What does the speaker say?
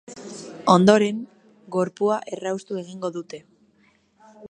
Ondoren, gorpua erraustu egingo dute.